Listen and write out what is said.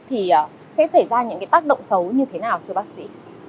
thì sẽ xảy ra những tác động xấu như thế nào thưa bác sĩ